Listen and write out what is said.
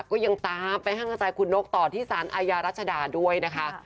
ก็ยังตามไปให้กำลังใจคุณนกต่อที่สารอาญารัชดาด้วยนะคะ